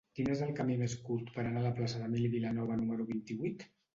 Quin és el camí més curt per anar a la plaça d'Emili Vilanova número vint-i-vuit?